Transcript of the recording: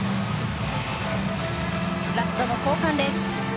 ラストの交換です。